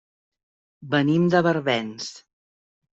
Venim de Barbens.